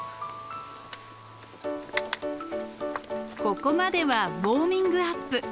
ここまではウォーミングアップ。